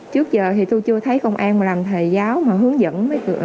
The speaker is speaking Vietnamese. trước giờ thì tôi chưa thấy công an mà làm thầy giáo mà hướng dẫn